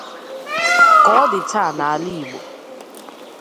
Ka ọ dị taa n'ala Igbo